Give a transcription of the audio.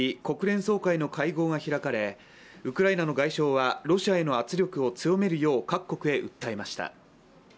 国連総会の会合が開かれ、ウクライナの外相はロシアへの圧力を強めるよう各国へ訴えました。